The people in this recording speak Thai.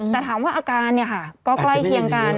แต่ถามว่าอาการเนี่ยค่ะก็ใกล้เคียงกัน